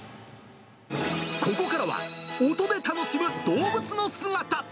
ここからは、音で楽しむ動物の姿。